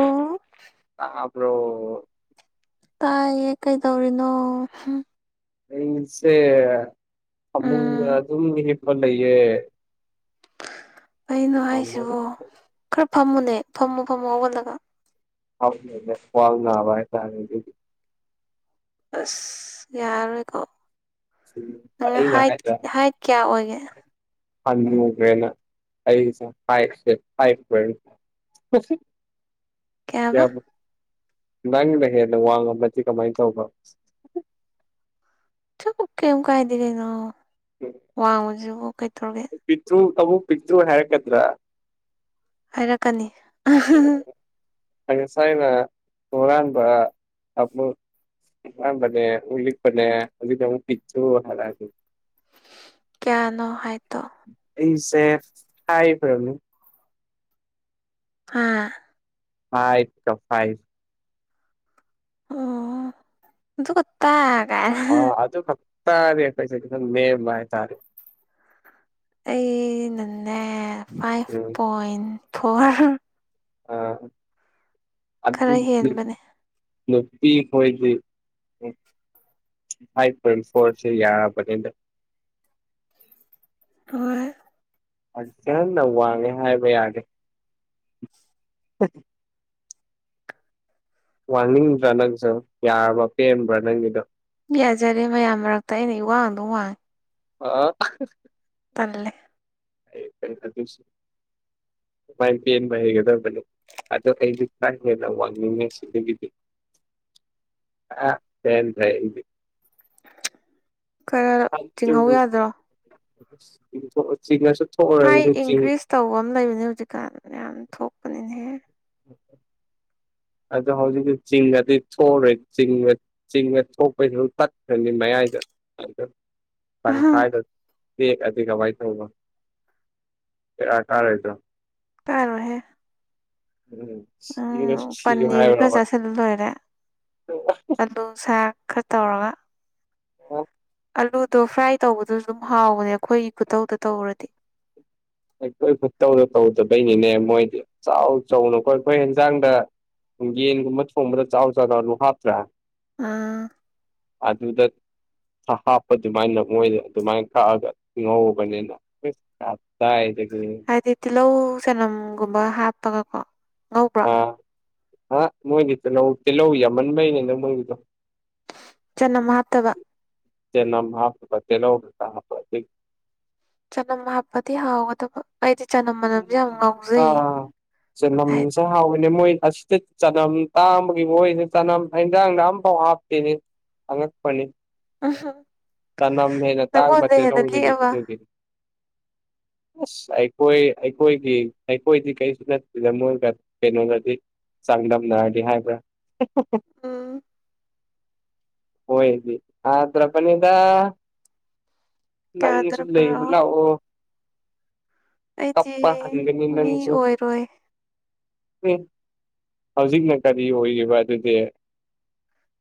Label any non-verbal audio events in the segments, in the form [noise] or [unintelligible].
ꯑꯣ ꯞ꯭ꯔꯣ ꯇꯥꯏꯌꯦ ꯀꯩꯗꯧꯔꯤꯅꯣ ꯁꯦ ꯑꯗꯨ ꯎꯝ ꯑꯗꯨꯝ ꯌꯦ ꯐꯂꯌꯦꯦ ꯀꯩꯅꯣ ꯍꯥꯏꯁꯤꯕꯣ ꯈꯔ ꯐꯝꯃꯨꯅꯦ ꯐꯝꯃꯨ ꯐꯝꯃꯣ ꯍꯧꯒꯠꯂꯒ ꯑꯅꯦ ꯐꯋꯥꯜꯅꯅꯥꯕ ꯍꯥꯏ ꯇꯗꯤ ꯑꯁ ꯌꯥꯔꯣꯏꯀꯣ ꯅꯪꯅ ꯑꯩꯅ ꯍꯥꯏꯠ ꯍꯥꯏꯠ ꯀꯌꯥ ꯑꯣꯏꯒꯦ ꯍꯅ ꯑꯩ ꯀꯥꯏꯁꯦꯞꯥꯏ ꯀꯁꯤ ꯀꯩ ꯍꯥꯏꯕ ꯅꯪꯦ ꯋꯥ ꯀꯃꯥꯏ ꯇꯕ ꯀꯝ ꯀꯥꯏꯗꯒꯅ ꯎꯝ ꯋꯥꯡꯉꯨꯁꯤꯕꯨ ꯀꯩꯊꯧꯔꯒꯦ ꯄꯤꯇꯨ ꯑꯕꯨ ꯄꯤ꯭ꯔ ꯍꯦꯛꯗ꯭ꯔꯥ ꯍꯥꯏꯔꯛꯀꯅꯤ ꯑꯁꯥꯏꯅ ꯃꯔꯥꯟꯕꯥꯟꯕ ꯑ ꯍꯥ ꯃꯅꯦ ꯎꯂꯤꯄꯅꯦ ꯍꯧꯖꯤ ꯄꯤꯆꯨ ꯍꯥꯔꯒ ꯀꯤꯌꯥꯅꯣ ꯍꯥꯏ ꯇꯣ ꯑꯩꯁꯦ ꯍꯥꯏꯈ꯭ꯔꯝꯅꯤ ꯍꯥ [unintelligible] ꯄ꯭ꯔꯣꯐꯥꯏꯜ ꯑꯗꯨꯒꯥ ꯇꯥ ꯒꯥꯏꯅ ꯑ ꯍꯥꯍꯥꯍꯥ ꯑꯗꯨ ꯈꯛ [unintelligible] ꯑꯩꯅꯅꯦ ꯐꯥꯏꯚ ꯎꯝ ꯄꯣꯏꯟ ꯐꯣꯔ ꯑꯥ ꯈꯔ ꯑꯗꯨꯗꯤ ꯍꯦꯟꯕꯅꯦ ꯅꯨꯄꯤ ꯀ‌ꯣꯏꯗ‌ꯦ ꯐꯥꯏꯚ ꯄꯣꯏꯟ ꯐꯣꯔ‍ꯦ ꯁ‌ꯦ ꯌꯥꫪꯕꯅ‌ꯦꯗ ꯫ ꯍꯣꯏ [unintelligible] ꯋꯥꯡꯉꯦ ꯍꯥꯏꯕ ꯌꯥꯗ‌ꯦ ꯋꯥꯡꯅꯤꯡꯗ꯭ꯔꯥ ꯅꯪꯁꯨ, ꯌꯥꯔꯕ ꯄꯦꯟꯕ꯭ꯔꯥ ꯅꯪꯒꯤꯗꯣ? ꯌꯥꯖꯔꯦ ꯃꯌꯥꯝ ꯃꯔꯛꯇ ꯑꯩꯅ ꯏꯋꯥꯡ ꯑꯗꯨꯝ ꯋꯥꯡꯉꯦ ꯑꯥ ꯇꯜꯂꯦ ꯑꯦ [unintelligible] ꯑꯗ‌ꯣꯏꯁꯨ ꯗꯨꯃꯥꯏ ꯄ‌ꯦꯟꯕ ꯍꯩꯒꯗꯕꯅꯤ ꯑꯗꯣ ꯑꯩꯗꯤ ꯈꯔꯥ ꯍꯦꯟꯅ ꯋꯥꯡꯅꯤꯡꯉꯦ ꯁꯤꯗꯒꯤꯗꯤ ꯑꯥ ꯄ‌ꯦꯟꯗ꯭ꯔ‌ꯦ ꯑꯩꯗꯤ ꯈꯔ ꯆꯤꯡꯍꯧ ꯌꯥꯗ꯭ꯔꯣ [unintelligible] ꯍꯥꯏ ꯆꯤꯡ ꯏꯟꯀ꯭ꯔꯤꯖ ꯇꯧꯕ ꯑꯝ ꯂꯩꯕꯅꯦ ꯍꯧꯖꯤꯛꯀꯥꯟ ꯌꯥꯝ ꯊꯣꯛꯄꯅꯤꯅꯦꯍꯦ [inaudible] ꯑꯗꯣ ꯍꯧꯖꯤꯛꯇꯤ ꯆꯤꯡꯉꯗꯤ ꯊ‌ꯣꯑꯔꯣꯏ ꯆꯤꯡꯑ ꯆꯤꯡꯕ ꯊꯣꯛꯄꯩꯗꯨ ꯇꯛꯈ꯭ꯔꯅꯤ ꯃꯌꯥꯏꯗ [unintelligible] ꯇꯪꯈꯥꯏꯗ ꯇ‌ꯦꯛꯑꯗꯤ ꯀꯃꯥꯏ ꯇꯧꯕ, ꯕ‌ꯦꯔꯥ ꯀꯔ‌ꯣꯏꯗ꯭ꯔ‌ꯣ ꯇꯥꯔ‌ꯣꯏ ꯍꯦ ꯎꯝ ꯌ‌ꯦꯡꯉꯁ‌ꯦ ꯄꯅꯤꯔ ꯈꯔꯥ ꯆꯥꯁꯤꯟꯂ ꯂꯣꯏꯔꯦ ꯑꯂꯨ ꯁꯥꯛ ꯈꯔ ꯇꯧꯔꯒ ꯑꯣ ꯑꯂꯨꯗꯣ ꯐ꯭ꯔꯥꯏ ꯇꯧꯕꯗꯁꯨ ꯑꯗꯨꯝ ꯍꯥꯎꯕꯅꯦ ꯑꯩꯈꯣꯏꯒꯤ ꯈꯨꯇꯧꯗ ꯇꯧꯔꯗꯤ ꯑꯩꯈꯣꯏ ꯈꯨꯠꯇꯧꯗ ꯇꯧꯗꯕꯩꯅꯤꯅꯦ ꯃꯣꯏꯗꯤ ꯆꯥꯎ ꯆꯥꯎꯅꯀꯣ ꯑꯩꯈꯣꯏ ꯍ‌ꯦꯟꯁꯥꯡꯗ ꯌꯦꯟꯒꯨꯝꯕ ꯊꯣꯡꯕꯗ ꯆꯥꯎ ꯆꯥꯎ ꯑꯂꯨ ꯍꯥꯞꯇ꯭ꯔꯥ? ꯑꯥ ꯑꯗꯨꯗ ꯍꯥꯞꯄ ꯑꯗꯨꯃꯥꯏꯅ ꯃꯣꯏꯅ ꯑꯗꯨꯃꯥꯏꯅ ꯀꯛꯑꯒ ꯉꯧꯕꯅ‌ꯦꯅ [unintelligible] ꯀꯥꯏꯗꯒꯤ ꯍꯥꯏꯗꯤ ꯇꯤꯜꯍꯧ ꯆꯅꯝꯒꯨꯝꯕ ꯍꯥꯞꯄꯒꯀꯣ ꯉꯧ ꯑꯥ ꯃꯣꯏꯒꯤ ꯇꯤꯍꯧ ꯇꯤꯜꯍꯧ ꯌꯥꯝꯃꯟꯕꯩꯅꯤꯗ ꯃꯣꯏꯒꯤꯗꯣ ꯆꯅꯝ ꯍꯥꯞꯇꯕ ꯆꯅꯝ ꯍꯥꯞꯇꯕ ꯇꯤꯜꯍꯧ ꯈꯛꯇ ꯍꯥꯞꯄ ꯑꯗꯨꯒꯤ ꯆꯅꯝ ꯍꯥꯞꯄꯗꯤ ꯍꯥꯎꯒꯗꯕ ꯑꯩꯗꯤ ꯆꯅꯝ ꯃꯅꯝꯁꯦ ꯌꯥꯝ ꯉꯥꯎꯖꯩꯌꯦ ꯑꯥ ꯍꯥꯏ ꯆꯅꯝꯁꯦ ꯍꯥꯎꯕꯅꯦ ꯃꯣꯏ ꯑꯁ [unintelligible] ꯆꯅꯝ ꯇꯥꯡꯕꯒꯤ ꯃ‌ꯣꯏꯖ‌ꯦ ꯆꯅꯝ ꯍ‌ꯦꯟꯖꯥꯡꯗ ꯑꯝꯐꯥꯎ ꯍꯥꯞꯇꯦꯅꯦ ꯑꯉꯛꯄꯅꯤ ꯎꯝꯍꯨꯝ ꯆꯅꯝ ꯍꯦꯟꯅ ꯇꯥꯡꯕ ꯅꯪꯉꯣꯟꯗ ꯍꯦꯟꯅ ꯇꯤꯜꯍꯧꯗꯒꯤ ꯂꯤꯛꯑꯕ ꯑꯗꯨꯒꯤ ꯑꯁ ꯑꯩ ꯍ‌ꯣꯏ ꯑꯩꯈꯣꯏꯗꯤ ꯑꯩꯈꯣꯏꯗꯤ ꯀꯩꯁꯨ ꯅꯠꯇꯦꯗ ꯃꯣꯏꯒ ꯀꯩꯅꯣꯒꯗꯤ ꯆꯥꯡꯗꯝꯅꯔꯗꯤ ꯍꯥꯏꯕ꯭ꯔꯥ ꯎꯝ ꯍꯣꯏꯗꯤ ꯑ ꯇ꯭ꯔꯄꯅꯤꯗ ꯅꯪꯒꯤꯁꯨ ꯀꯌꯥꯗꯔ ꯂꯩꯌꯦꯕ ꯄꯨꯔꯛꯑꯣ ꯂꯥꯛꯑꯣ ꯑꯩꯗꯤ ꯀꯄꯥ ꯍꯪꯒꯅꯤ ꯃꯤ ꯅꯪꯁꯨ ꯑꯣꯏꯔꯣꯏ ꯍꯧꯖꯤꯛꯅ ꯀꯔꯤ ꯑꯣꯏꯔꯤꯕ ꯑꯗꯨꯗꯤ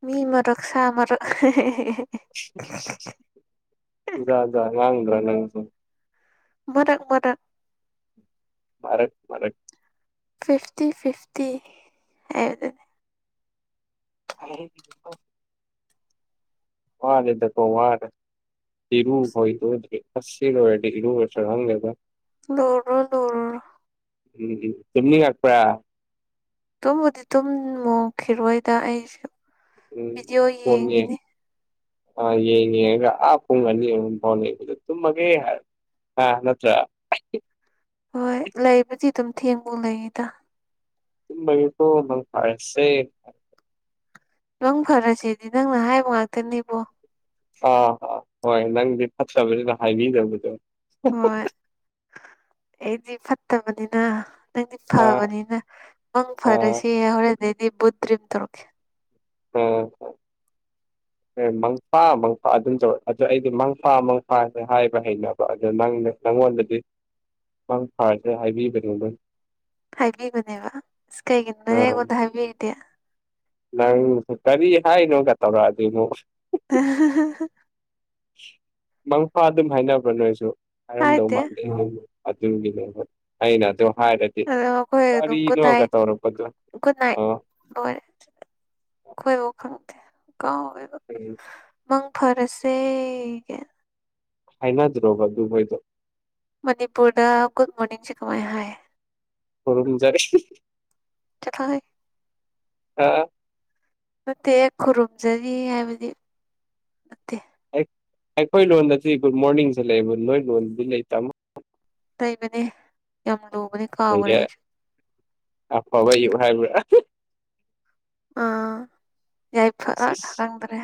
ꯃꯤ ꯃꯔꯛ ꯁꯥ ꯃꯔꯛ ꯌꯥ ꯋꯥꯉꯗ꯭ꯔ ꯅꯪ ꯁ ꯃꯊꯛ ꯃꯊꯛ ꯃꯔꯔꯛ ꯃꯔꯔꯛ ꯐꯤꯐꯇꯤ ꯐꯤꯐꯇꯤ ꯍꯥꯏꯕꯗꯨꯅꯤ ꯑꯣ ꯋꯥꯅꯦꯗ ꯀꯣ ꯋꯥꯔꯦ ꯍꯔꯨ ꯍꯣꯏꯔꯔ ꯍꯪ ꯂꯩꯦꯗ ꯂꯧꯣ ꯎꯝ ꯆꯨꯝꯅꯤ ꯉꯥꯛꯄ꯭ꯔꯥ ꯇꯨꯝꯕꯨꯗꯤ ꯇꯨꯝ ꯃꯣꯡꯈꯤꯔꯣꯏꯗ ꯑꯩꯁꯨ ꯎꯝ ꯚꯤꯗꯤꯑꯣ ꯌꯦꯡꯈꯤꯅꯤ ꯑ ꯌꯦꯡꯉ ꯌꯦꯄꯨꯡꯒꯅꯤ ꯐꯥꯎ ꯇꯃꯒꯦ ꯍꯥꯏ ꯑꯥ ꯅꯠꯇ꯭ꯔ ꯍꯣꯏ ꯂꯩꯕꯨꯗꯤ ꯑꯗꯨꯝ ꯊꯦꯡꯕ ꯂꯩꯌꯦꯗ ꯃꯒꯤ ꯇꯣ ꯃꯪ ꯄꯥꯏꯁꯦ ꯅꯪ ꯐꯔꯁꯤꯗꯤ ꯅꯪꯅ ꯍꯥꯏꯕ ꯉꯥꯛꯇꯅꯦꯕꯣ ꯑꯥ ꯑꯥ ꯍꯣꯏ ꯅꯪꯗꯤ ꯐꯠꯇꯕꯕꯁꯤꯗ ꯍꯥꯏꯕꯤꯗꯕꯗꯣ ꯍꯣꯏ ꯑꯩꯗꯤ ꯐꯠꯇꯕꯅꯤꯅ ꯅꯪꯗꯤ ꯑꯥ ꯐꯕꯅꯤꯅ ꯃꯪ ꯑꯥ ꯐꯔꯁꯤ ꯍꯣꯔꯦꯟꯗꯩꯗꯤ ꯕꯨꯠ ꯗ꯭ꯔꯤꯝ ꯇꯧꯔꯛꯀꯦ ꯑꯣ ꯖꯃꯃ ꯑꯦ ꯃꯪꯐꯥ ꯃꯪꯐꯥ ꯑꯗꯨꯝ ꯇꯧꯔꯦ ꯑꯗꯨꯣ ꯑꯩꯗꯤ ꯃꯪꯐꯥ ꯃꯪꯐꯥ ꯍꯥꯏꯕ ꯍꯅꯕ ꯑꯗꯣ ꯅꯪ ꯅꯪꯉꯣꯟꯗꯗꯤ ꯅꯪ ꯐꯔꯁꯦ ꯍꯥꯏꯕꯤꯕꯅꯦꯣ ꯑꯗꯨ ꯍꯥꯏꯕꯤꯕꯅꯦꯕ ꯑꯁ ꯀꯩꯒꯤꯅꯣ ꯅꯪꯅꯦ ꯑꯩꯉꯣꯟꯗ ꯍꯥꯏꯕꯤꯔꯤꯗꯤꯦ ꯅꯪ ꯀꯔꯤ ꯍꯥꯏꯅꯣ ꯀꯥ ꯇꯧꯔꯗꯤ ꯅꯨ [unintelligible] ꯃꯪꯐꯥ ꯑꯗꯨꯝ ꯍꯥꯏꯅꯕ꯭ꯔꯥ ꯅꯣꯏꯁꯨ ꯍꯥꯏꯔꯝꯗꯧ ꯍꯥꯏꯗꯦ ꯃꯥꯥꯟꯗꯦ ꯑꯗꯨꯒꯤꯅꯦ ꯑꯩꯅ ꯑꯗꯨ ꯍꯥꯏꯔꯒ ꯔꯤ ꯑꯗꯣ ꯑꯩꯈꯣꯏ ꯑꯗꯨꯝ ꯀꯔꯤꯅꯣꯒ ꯇꯧꯔꯄ ꯑꯗꯨ ꯑꯥ ꯍꯣꯏ ꯈꯣꯏꯕꯨ ꯈꯪꯗꯦ ꯀꯥꯎꯋꯦꯕ ꯃꯪ ꯐꯔꯁꯦ ꯒꯥ ꯍꯥꯏꯅꯗꯔꯣꯕ ꯑꯗꯨꯕꯣꯏꯗꯣ ꯃꯅꯤꯄꯨꯔꯗ ꯒꯨꯗ ꯃꯣꯔꯅꯤꯡꯖꯦ ꯀꯃꯥꯏ ꯍꯥꯏ ꯈꯨꯔꯨꯝꯖꯥꯔꯤ ꯆꯠꯂꯣꯍꯦ ꯑꯥ ꯅꯠꯇꯦ ꯈꯨꯔꯨꯝꯖꯔꯤ ꯍꯥꯏꯕꯗꯤ ꯅꯠꯇꯦ ꯑꯩꯈꯣꯏ ꯂꯣꯟꯗꯗꯤ ꯒꯨꯗ ꯃꯣꯔꯅꯤꯡꯖꯦ ꯂꯩꯕ ꯅꯣꯏ ꯂꯣꯟꯗꯤ ꯂꯩ ꯇꯥꯃ ꯂꯩꯕꯅꯦ ꯌꯥꯝ ꯂꯨꯕꯅꯦ ꯀꯥꯎꯈ꯭ꯔꯦ ꯂꯩꯌꯦ ꯑꯩꯁꯨ ꯑꯐꯕ ꯑꯌꯨꯛ ꯍꯥꯏꯕ꯭ꯔꯥ ꯑꯥ ꯌꯥꯏꯐꯥ ꯏꯁ ꯈꯪꯗ꯭ꯔꯦ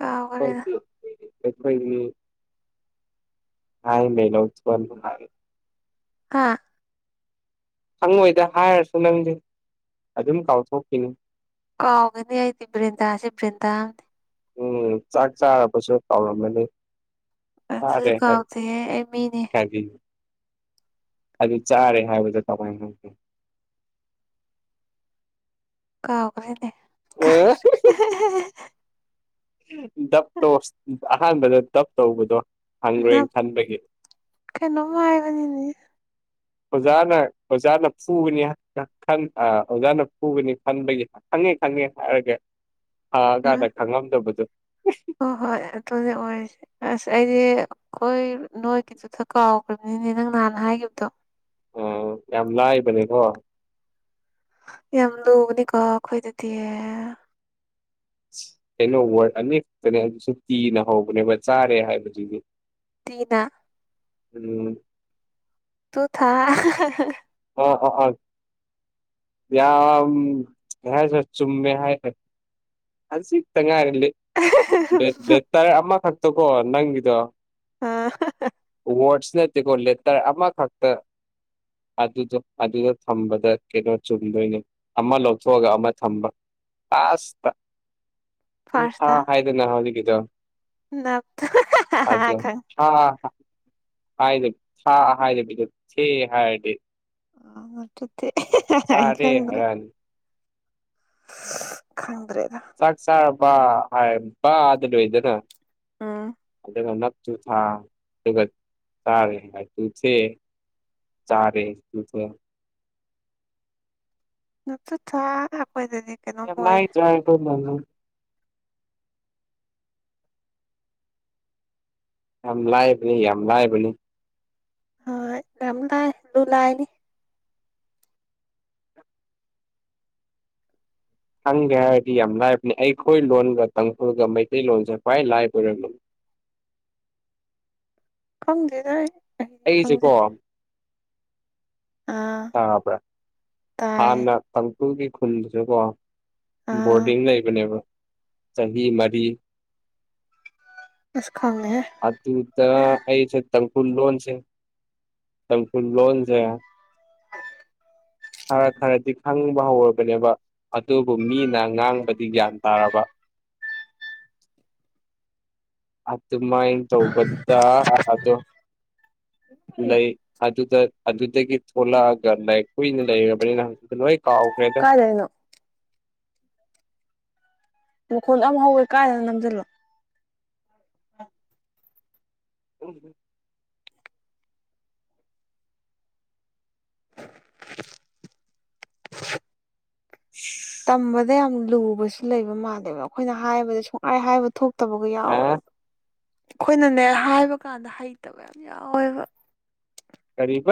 ꯀꯥꯎꯈ꯭ꯔꯦꯗ ꯑꯩꯈꯣꯏꯒꯤ [unintelligible] ꯍꯥ ꯈꯪꯉꯣꯏꯗ ꯍꯥꯏꯔꯁꯨ ꯅꯪꯗꯤ ꯑꯗꯨꯝ ꯀꯥꯎꯊꯣꯛꯈꯤꯅꯤ ꯀꯥꯎꯒꯅꯤ ꯑꯩꯗꯤ ꯕ꯭ꯔꯤꯟꯗꯥꯁꯦ ꯕ꯭ꯔꯤꯟꯗꯥꯑꯝꯅꯤ ꯎꯝ ꯆꯥꯛ ꯆꯥꯔꯕꯁꯨ ꯀꯥꯎꯔꯝꯃꯅꯤ ꯑꯗꯨꯁꯨ ꯆꯥꯔꯦ ꯀꯥꯎꯗꯦꯍꯦ ꯑꯩ ꯃꯤꯅꯤ ꯍꯥꯏꯌꯣ [unintelligible] ꯑꯗꯨ ꯆꯥꯔꯦ ꯍꯥꯏꯕꯗꯨ ꯀꯃꯥꯏꯟ ꯉꯥꯡꯒꯦ ꯀꯥꯎꯒ꯭ꯔꯦꯅꯦ ꯍꯥꯏꯒꯦ ꯗꯞꯇꯣ ꯑꯍꯥꯟꯕꯗ ꯗꯞ ꯇꯧꯕꯗꯣ ꯍꯪꯒ꯭ꯔꯦ ꯅꯞ ꯈꯟꯕꯒꯤ ꯀꯩꯅꯣꯝ ꯍꯥꯏꯕꯅꯤꯅꯦ ꯑꯣꯖꯥꯅ ꯑꯣꯖꯥꯅ ꯐꯨꯕꯅꯤ ꯑꯥ ꯑꯣꯖꯥꯅ ꯐꯨꯕꯅꯤ ꯈꯟꯕꯒꯤ ꯈꯪꯉꯦ ꯈꯪꯉꯦ ꯍꯥꯏꯔꯒꯦ ꯎꯝ ꯍꯪꯉꯥꯀꯟꯗ ꯈꯪꯉꯝꯗꯕꯗꯨ ꯍꯣꯏ ꯍꯣꯏ ꯑꯗꯨꯅꯦ ꯑꯣꯏꯔꯁꯦ ꯑꯁ ꯑꯩꯗꯤ ꯈꯣꯏ ꯅꯣꯏ ꯑꯗꯨꯗ ꯀꯥꯎꯒ꯭ꯔꯕꯅꯤꯅꯦ ꯅꯪ ꯅꯍꯥꯟ ꯍꯥꯏꯒꯤꯕꯗꯣ ꯎꯝ ꯌꯥꯝ ꯂꯥꯏꯕꯅꯤꯀꯣ ꯌꯥꯝ ꯂꯨꯕꯅꯤꯀꯣ ꯑꯈꯣꯏꯗꯗꯤ ꯀꯩꯅꯣ ꯋꯥꯔꯗ ꯑꯅꯤ ꯈꯛꯇꯅꯦ ꯑꯗꯨꯁꯨ ꯀꯤꯅ ꯍꯧꯕꯅꯦꯕ ꯆꯥꯔꯦ ꯍꯥꯏꯕꯗꯨꯗꯤ ꯇꯤꯅ ꯎꯝ ꯇꯨ ꯊꯥ ꯑꯣ ꯑꯥ ꯑꯥ ꯌꯥꯝ ꯀꯩ ꯍꯥꯏꯁꯤꯔꯥ ꯆꯨꯝꯃꯦ ꯍꯥꯏ ꯈꯥꯖꯤꯛꯇ ꯉꯥꯏꯔꯦ ꯂꯦꯇꯔ ꯑꯃꯈꯛꯇꯀꯣ ꯅꯪꯒꯤꯗꯣ ꯑꯥ ꯋꯥꯔꯗꯁ ꯅꯠꯇꯦꯀꯣ ꯂꯦꯇꯔ ꯑꯃꯈꯛꯇ ꯑꯗꯨꯗꯣ ꯑꯗꯨꯗꯣ ꯊꯝꯕꯗ ꯀꯩꯅꯣ ꯆꯨꯝꯗꯣꯏꯅꯦ ꯑꯃ ꯂꯧꯊꯣꯛꯑꯒ ꯑꯃ ꯊꯝꯕ ꯑꯥꯁ ꯇꯨ ꯊꯥ ꯍꯥꯏꯗꯅ ꯍꯧꯖꯤꯛꯀꯤꯗꯣ ꯅꯠꯇꯥ ꯑꯗꯣ ꯈꯪ ꯊꯥ ꯍꯥꯏꯗ ꯊꯥ ꯍꯥꯏꯗꯕꯤꯗ ꯊꯦ ꯍꯥꯏꯔꯗꯤ [unintelligible] ꯇꯨ ꯊꯦ ꯑꯩ ꯆꯥꯔꯦ ꯈꯪꯗ꯭ꯔꯦ ꯍꯥꯏꯔꯛꯑꯅꯤ ꯈꯪꯗ꯭ꯔꯦꯗ ꯆꯥꯛ ꯆꯥꯔꯕ ꯍꯥꯏ ꯕ ꯗꯥ ꯂꯣꯏꯗꯅ ꯎꯝ ꯑꯗꯨꯒ ꯅꯛꯇꯨ ꯊꯥ ꯑꯗꯨꯒ ꯆꯥꯔꯦ ꯇꯨ ꯊꯦ ꯆꯥꯔꯦ ꯇꯨ ꯊꯦ [unintelligible] ꯑꯣꯏꯔꯦ [unintelligible] ꯌꯥꯝ ꯂꯥꯏꯕꯅꯤ ꯌꯥꯝ ꯂꯥꯏꯕꯅꯤ ꯍ ꯌꯥꯝ ꯂꯨ ꯂꯥꯏꯅꯤ ꯈꯪꯒꯦ ꯍꯥꯏꯔꯗꯤ ꯌꯥꯝ ꯂꯥꯏꯕꯅꯤ ꯑꯩꯈꯣꯏ ꯂꯣꯟꯒ ꯇꯥꯡꯈꯨꯜꯒ ꯃꯩꯇꯩꯂꯣꯟꯁꯦ ꯈ꯭ꯋꯥꯏ ꯂꯥꯏꯕ ꯑꯣꯏꯔꯝꯃꯦ ꯈꯪꯗꯦꯗ ꯑꯩ ꯑꯩꯗꯤ ꯑꯩꯁꯦꯀꯣ ꯑ ꯇꯥꯕ꯭ꯔꯥ ꯍꯥꯟꯅ ꯇꯥꯡꯈꯨꯜꯒꯤ ꯈꯨꯜꯁꯤꯀꯣ ꯑꯥ ꯕꯣꯔꯗꯤꯡ ꯂꯩꯕꯅꯦꯕ ꯆꯍꯤ ꯃꯔꯤ ꯑꯁ ꯈꯪꯉꯦꯍꯦ ꯑꯗꯨꯗ ꯑꯩꯁꯦ ꯇꯥꯡꯈꯨꯜ ꯂꯣꯟꯁꯦ ꯇꯥꯡꯈꯨꯟ ꯂꯣꯟꯁꯦ ꯈꯔ ꯈꯔꯗꯤ ꯈꯪꯕ ꯍꯧꯔꯕꯅꯦꯕ ꯑꯗꯨꯕꯨ ꯃꯤꯅ ꯉꯥꯡꯕꯗꯤ ꯒ꯭ꯌꯥꯟ ꯇꯥꯔꯕ ꯑꯗꯨꯃꯥꯏꯅ ꯇꯧꯕꯗ ꯑꯗꯣ ꯂꯩ ꯑꯗꯨꯗ ꯑꯗꯨꯗꯒꯤ ꯊꯣꯂꯛꯑꯒ ꯂꯥꯏꯛ ꯀꯨꯏꯅ ꯂꯩꯔꯕꯅꯤꯅ ꯍꯧꯖꯤꯛꯇꯤ ꯂꯣꯏ ꯀꯥꯎꯈ꯭ꯔꯦꯗ ꯃꯈꯣꯜ ꯌꯥꯝ ꯍꯧꯋꯦ ꯀꯥꯏꯗꯅꯣꯃ ꯅꯝꯁꯤꯜꯂꯣ [unintelligible] [unintelligible] [unintelligible] ꯈꯨꯝꯕꯗ ꯌꯥꯝ ꯂꯨꯕꯁꯨ ꯂꯩꯕ ꯃꯥꯜꯂꯦꯕ ꯑꯩꯈꯣꯏꯅ ꯍꯥꯏꯕꯗ ꯁꯨꯡꯈꯥꯏ ꯍꯥꯏꯕ ꯊꯣꯛ ꯇꯕꯒ ꯑ ꯌꯥꯎꯋꯦꯕ ꯑꯩꯈꯣꯏꯅꯅꯦ ꯍꯥꯏꯕ ꯀꯥꯟꯗ ꯍꯩꯇꯕ ꯌꯥꯝ ꯌꯥꯎꯋꯦꯕ ꯀꯔꯤꯕ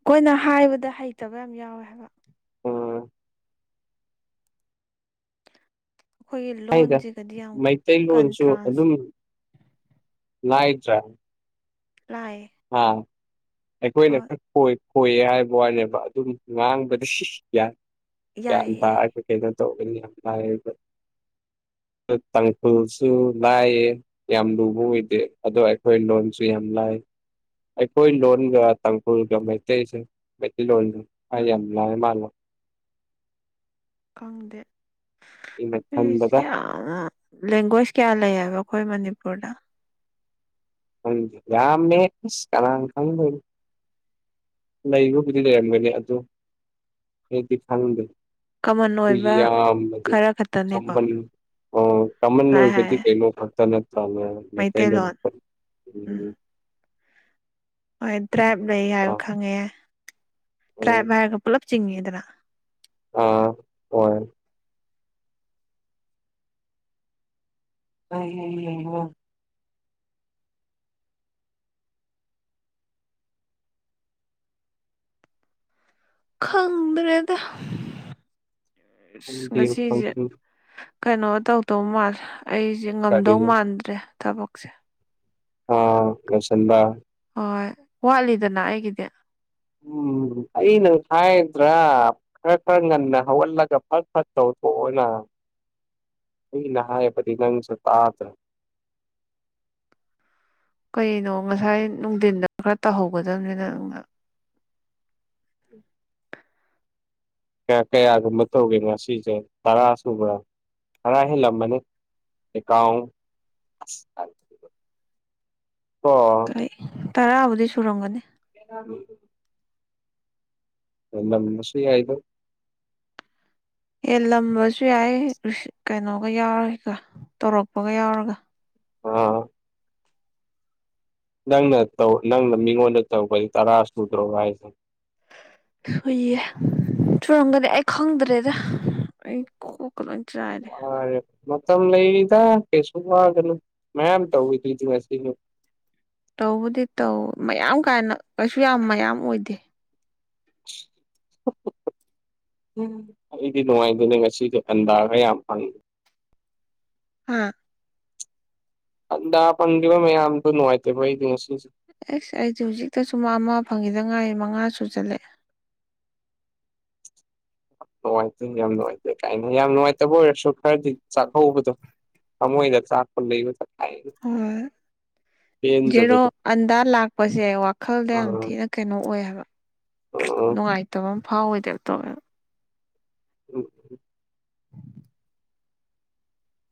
ꯑꯩꯈꯣꯏꯅ ꯍꯥꯏꯕꯗ ꯍꯩꯇꯕ ꯌꯥꯝ ꯌꯥꯎꯋꯦ ꯍꯥꯏꯕ ꯑꯣ ꯑꯩꯈꯣꯏꯒꯤ ꯍꯥꯏꯗ ꯂꯣꯟꯁꯤꯒꯗꯤ ꯌꯥꯝ ꯃꯩꯇꯩꯂꯣꯟꯁꯨ ꯀꯟꯇ꯭ꯔꯥꯟꯁ ꯑꯗꯨꯝ ꯂꯥꯏꯗ꯭ꯔꯥ ꯂꯥꯏ ꯍꯥꯥ ꯑꯩꯈꯣꯏꯅ ꯈꯛ ꯍꯣꯏ ꯈꯣꯏꯌꯦ ꯍꯥꯏꯕ ꯋꯥꯅꯦꯕ ꯑꯗꯨꯝ ꯉꯥꯡꯕꯗ [unintelligible] ꯒ꯭ꯌꯥꯟ ꯌꯥꯏ ꯌꯥꯏ ꯇꯥꯔꯅꯤ [unintelligible] ꯇꯥꯡꯈꯨꯜꯁꯨ ꯂꯥꯏꯌꯦ ꯌꯥꯝ ꯂꯨꯕ ꯑꯣꯏꯗꯦ ꯑꯗꯣ ꯑꯩꯈꯣꯏ ꯂꯣꯟꯁꯨ ꯌꯥꯝ ꯂꯥꯏ ꯑꯩꯈꯣꯏ ꯂꯣꯟꯒ ꯇꯥꯡꯈꯨꯜꯒ ꯃꯩꯇꯩꯁꯦ ꯃꯩꯇꯩꯂꯣꯟꯗ ꯌꯥꯝ ꯂꯥꯏꯕ ꯃꯥꯜꯂꯦ ꯈꯪꯗꯦ ꯑꯩꯅ ꯑꯩꯁꯦ ꯈꯟꯕꯗ ꯌꯥꯝ ꯂꯦꯡꯒ꯭ꯋꯣꯏꯁ ꯀꯌꯥ ꯂꯩꯌꯦꯕ ꯑꯩꯈꯣꯏ ꯃꯅꯤꯄꯨꯔꯗ ꯈꯪꯗꯦ ꯌꯥꯝꯃꯦ ꯑꯁ ꯀꯅꯥꯅ ꯈꯪꯗꯣꯏꯅꯣ ꯂꯩꯕꯕꯨꯗꯤ ꯂꯩꯔꯝꯒꯅꯤ ꯑꯗꯨ [unintelligible] ꯈꯪꯗꯦ ꯀꯃꯟ ꯑꯣꯏꯕ [unintelligible] ꯑꯣ ꯈꯔ ꯈꯛꯇꯅꯦꯀꯣ ꯀꯃꯟ ꯁꯨꯃꯥꯏ ꯍꯥꯏ ꯃꯩꯇꯩꯂꯣꯟ ꯎꯝ [unintelligible] ꯍꯣꯏ ꯇ꯭ꯔꯥꯏꯕ ꯂꯩ ꯍꯥꯏꯕ ꯈꯪꯉꯦ ꯎꯝ ꯇ꯭ꯔꯥꯏꯕ ꯍꯥꯏꯔꯒ ꯄꯨꯂꯞ ꯆꯤꯡꯉꯤꯗꯅ ꯑꯥ ꯍꯣꯏ [unintelligible] ꯈꯪꯗ꯭ꯔꯦꯗ ꯑ ꯉꯁꯤꯁꯦ ꯀꯩꯅꯣ ꯇꯧꯗꯧ ꯃꯥꯜꯂꯦ ꯑꯩꯁꯦ ꯀꯔꯤ ꯉꯝꯗꯧ ꯃꯥꯟꯗ꯭ꯔꯦ ꯊꯕꯛꯁꯦ ꯑ [unintelligible] ꯍꯣꯏ ꯋꯥꯠꯂꯤꯗꯅ ꯑꯩꯒꯤꯗꯤ ꯎꯝ ꯑꯩꯅ ꯍꯥꯏꯗ꯭ꯔꯥ ꯈꯔ ꯈꯔ ꯉꯟꯅ ꯍꯧꯒꯠꯂꯒ ꯐꯠ ꯐꯠ ꯇꯧꯊꯣꯛꯑꯣꯅ ꯑꯩꯅ ꯍꯥꯏꯕꯗꯤ ꯅꯪꯁꯨ ꯇꯥꯗ꯭ꯔꯥ ꯀꯩꯅꯣ ꯉꯁꯥꯏ ꯅꯨꯡꯊꯤꯟꯗ ꯈꯔ ꯇꯧꯍꯧꯒꯗꯕꯅꯤꯅ ꯅꯪꯅ ꯀꯌꯥꯒꯨꯝꯕ ꯇꯧꯒꯦ ꯉꯁꯤꯁꯦ ꯇꯔꯥ ꯁꯨꯕ꯭ꯔꯥ ꯇꯔꯥ ꯍꯦꯜꯂꯝꯃꯅꯤ ꯑꯦ ꯑ ꯑꯩ ꯇꯔꯥꯕꯨꯗꯤ ꯁꯨꯔꯝꯒꯅꯤ [inaudible] ꯅ ꯁꯤꯔꯤ ꯍꯥꯏꯗ ꯑꯦ ꯂꯝꯕꯁꯨ ꯌꯥꯏ ꯀꯩꯅꯣꯒ ꯌꯥꯎꯔꯒ ꯇꯧꯔꯛꯄꯒ ꯌꯥꯎꯔꯒ ꯑ ꯅꯪꯅꯧ ꯅꯪꯅ ꯃꯤꯉꯣꯟꯗ ꯇꯧꯕꯒꯤ ꯇꯔꯥ ꯁꯨꯗ꯭ꯔꯣ ꯍꯥꯏꯁꯦ ꯍꯨꯏꯌꯦ ꯆꯨꯔꯝꯒꯗꯤ ꯑꯩ ꯈꯪꯗ꯭ꯔꯦꯗ ꯑꯩ ꯀꯣꯛꯀ ꯂꯣꯏ ꯆꯥꯏꯔꯦ ꯃꯥꯔꯦ ꯃꯇꯝ ꯂꯩꯗ ꯀꯩꯁꯨ ꯋꯥꯒꯅꯨ ꯃꯌꯥꯝ ꯇꯧꯋꯗ꯭ꯔꯤꯗꯤ ꯉꯁꯤꯁꯨ ꯇꯧꯕꯗꯤ ꯇꯧ ꯃꯌꯥꯝ ꯀꯥꯏꯅ ꯀꯩꯁꯨ ꯌꯥꯝ ꯃꯌꯥꯝ ꯑꯣꯏꯗꯦ [inaudible] ꯑꯩꯗꯤ ꯅꯨꯡꯉꯥꯏꯖꯅꯦ ꯉꯁꯤꯁꯨ ꯑꯟꯗꯥꯒ ꯌꯥꯝ ꯐꯪꯉꯦ ꯎ ꯗꯥ ꯄꯟꯕ ꯃꯌꯥꯝ ꯑꯃꯅꯨꯡꯉꯥꯏꯇꯦ ꯑꯦꯁ ꯑꯩꯗꯤ ꯍꯧꯖꯤꯛꯇꯁꯨ ꯑꯃ ꯐꯪꯉꯤꯗ ꯉꯥꯏ ꯃꯉꯥꯁꯨ ꯆꯠꯂꯦ ꯅꯨꯡꯉꯥꯏꯇꯦ ꯌꯥꯝ ꯅꯨꯡꯉꯥꯏꯇꯦ ꯀꯥꯏꯅ ꯌꯥꯝ ꯅꯨꯡꯉꯥꯏꯇꯕ ꯑꯣꯏꯔꯁꯨ ꯈꯔꯗꯤ ꯆꯥꯛꯍꯧꯕꯗꯣ ꯊꯃꯣꯏꯗ ꯆꯥꯛ ꯂꯩꯕ ꯍꯣꯏ ꯖꯦꯔꯣ ꯄꯦꯟꯗꯕꯗꯣ ꯑꯟꯗꯥ ꯂꯥꯛꯄꯁꯦ ꯋꯥꯈꯜꯗ ꯌꯥꯝ ꯊꯤꯅ ꯀꯩꯅꯣ ꯑꯣꯏꯌꯦꯕ ꯑꯣ ꯑꯣ ꯇꯕ ꯑꯃ ꯐꯥꯎꯋꯏꯗꯕ ꯇꯧꯋꯦꯕ ꯎꯝ